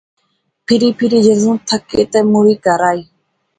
پھری پھری جذوں تھکے تے مُڑی کہرا آئے